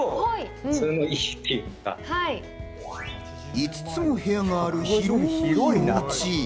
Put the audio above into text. ５つも部屋がある広いおうち。